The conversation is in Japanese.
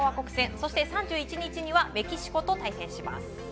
そして３１日にはメキシコと対戦します。